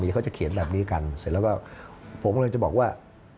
เขาจะเขียนแบบนี้กันเสร็จแล้วก็ผมกำลังจะบอกว่า